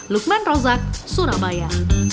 lukman rozak surabaya